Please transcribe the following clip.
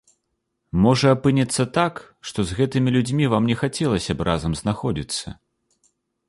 Можа апынецца так, што з гэтымі людзьмі вам не хацелася б разам знаходзіцца?